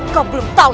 kau belum tahu